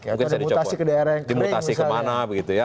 mungkin saya dicopot dimutasi ke mana gitu ya